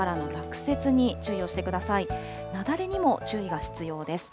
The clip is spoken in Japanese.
雪崩にも注意が必要です。